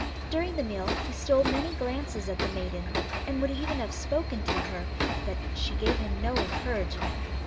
During the meal he stole many glances at the maiden, and would even have spoken to her, but she gave him no encouragement.